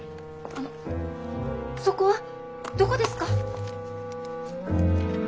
あのそこはどこですか？